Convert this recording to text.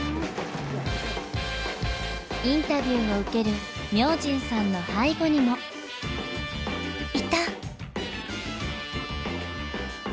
インタビューを受ける明神さんの背後にもいた！